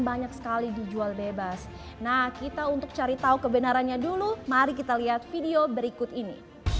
banyak sekali dijual bebas nah kita untuk cari tahu kebenarannya dulu mari kita lihat video berikut ini